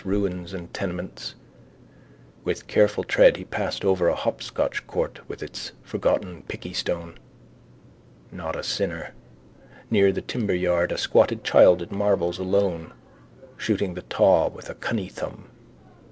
Ruins and tenements. With careful tread he passed over a hopscotch court with its forgotten pickeystone. Not a sinner. Near the timberyard a squatted child at marbles, alone, shooting the taw with a cunnythumb.